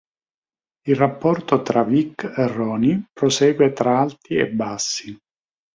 Il rapporto tra Vic e Roni prosegue tra alti e bassi.